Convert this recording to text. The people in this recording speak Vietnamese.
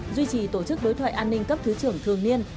duy trì tổ chức đối thoại an ninh cấp thứ trưởng thường niên